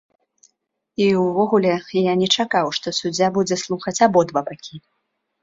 І ўвогуле, я не чакаў, што суддзя будзе слухаць абодва бакі.